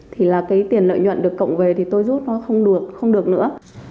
thì là cái tiền lợi nhuận được cộng về thì tôi rút nó không được không được nữa